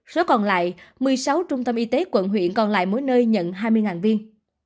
số còn lại một mươi sáu trung tâm y tế quận huyện còn lại mỗi nơi nhận hai mươi viên